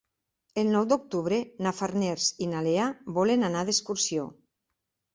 El nou d'octubre na Farners i na Lea volen anar d'excursió.